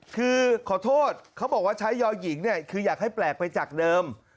คือขอโทษเขาบอกว่าใช้ยอหญิงเนี่ยคืออยากให้แปลกไปจากเดิม